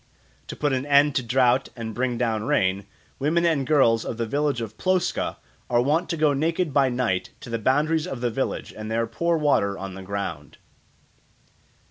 To put an end to drought and bring down rain, women and girls of the village of Ploska are wont to go naked by night to the boundaries of the village and there pour water on the ground.